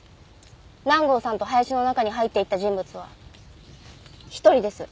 南郷さんと林の中に入っていった人物は１人です。